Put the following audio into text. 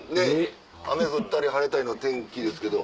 雨降ったり晴れたりの天気ですけど。